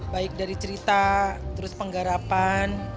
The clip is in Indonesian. baik dari cerita terus penggarapan